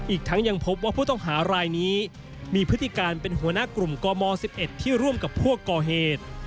อีกทั้งยังพบว่าผู้ต้องหารายนี้มีพฤติการเป็นหัวหน้ากลุ่มกม๑๑ที่ร่วมกับพวกก่อเหตุ